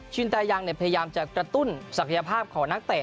ตายังพยายามจะกระตุ้นศักยภาพของนักเตะ